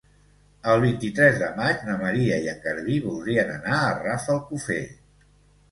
El vint-i-tres de maig na Maria i en Garbí voldrien anar a Rafelcofer.